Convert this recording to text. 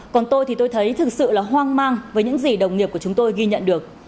còn tôi thì tôi thấy thực sự là hoang mang với những gì đồng nghiệp của chúng tôi ghi nhận được